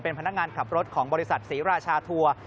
พนักงานขับรถของบริษัทศรีราชาทัวร์